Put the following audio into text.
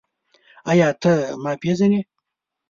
ایا ته ما پېژنې؟